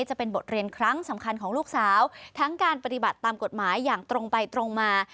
จะเป็นบทเรียนครั้งสำคัญของลูกสาวทั้งการปฏิบัติตามกฎหมายอย่างตรงไปตรงมา